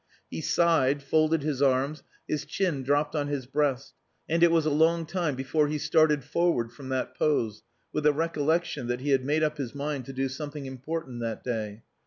He sighed, folded his arms, his chin dropped on his breast, and it was a long time before he started forward from that pose, with the recollection that he had made up his mind to do something important that day.